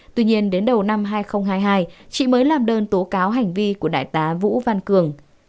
tuy nhiên đến đầu năm hai nghìn hai mươi hai chị mới làm đơn tố cáo hành vi của đại tá vũ văn cường